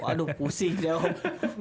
aduh pusing ya om